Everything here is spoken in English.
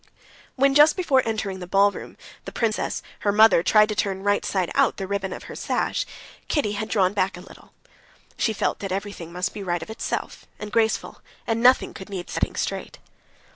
When, just before entering the ballroom, the princess, her mother, tried to turn right side out of the ribbon of her sash, Kitty had drawn back a little. She felt that everything must be right of itself, and graceful, and nothing could need setting straight.